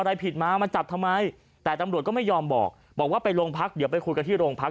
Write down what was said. อะไรผิดมามาจับทำไมแต่ตำรวจก็ไม่ยอมบอกบอกว่าไปโรงพักเดี๋ยวไปคุยกันที่โรงพัก